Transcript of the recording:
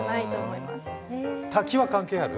滝は関係ある？